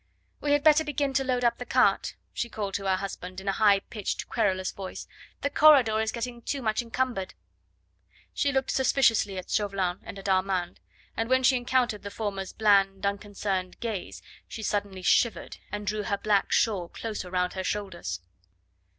"We had better begin to load up the cart," she called to her husband in a high pitched querulous voice; "the corridor is getting too much encumbered." She looked suspiciously at Chauvelin and at Armand, and when she encountered the former's bland, unconcerned gaze she suddenly shivered and drew her black shawl closer round her shoulders.